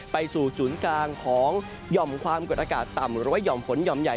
ไปสู่ศูนย์กลางของหย่อมความกดอากาศต่ำหรือว่าห่อมฝนหย่อมใหญ่